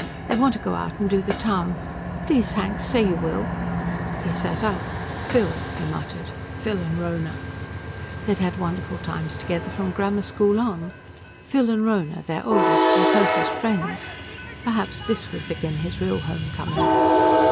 They want to go out and do the town. Please, Hank, say you will." He sat up. "Phil," he muttered. "Phil and Rhona." They'd had wonderful times together, from grammar school on. Phil and Rhona, their oldest and closest friends. Perhaps this would begin his real homecoming.